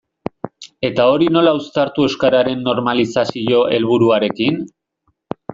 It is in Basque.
Eta hori nola uztartu euskararen normalizazio helburuarekin?